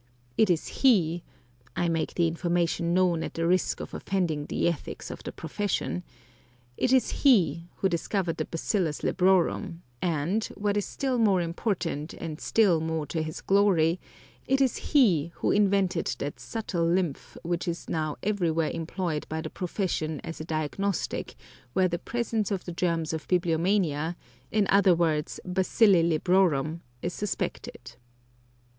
It is he (I make the information known at the risk of offending the ethics of the profession) it is he who discovered the bacillus librorum, and, what is still more important and still more to his glory, it is he who invented that subtle lymph which is now everywhere employed by the profession as a diagnostic where the presence of the germs of bibliomania (in other words, bacilli librorum) is suspected.